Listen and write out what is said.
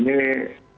ini akan lebih mudah